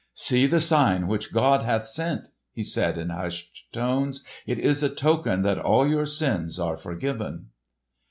"See the sign which God hath sent!" he said in hushed tones. "It is a token that all your sins are forgiven."